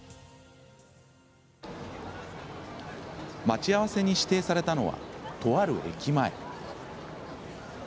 待ち合わせに指定されたのはとある駅前。